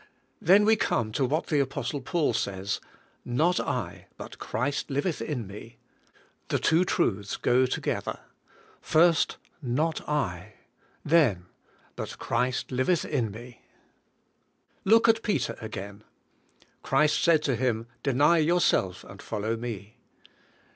Then we come to what the apostle Paul says: "Not I, but Christ THE SELF LIFE 35 liveth in me.'' The two trutlis go together. First "Not I," then, "but Christ liveth in me." Look at Peter again. Christ said to him, "Deny 3'Ourself, and follow me."